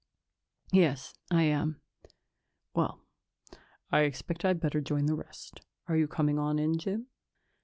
"Yes, I am." "Well, I expect I'd better join the rest. Are you coming on in, Jim?"